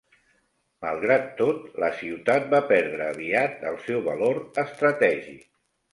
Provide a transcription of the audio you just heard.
Malgrat tot, la ciutat va perdre aviat el seu valor estratègic.